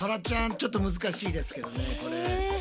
ちょっと難しいですけどねこれ。